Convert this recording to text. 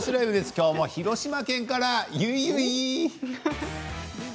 今日も広島県から、ゆいゆい。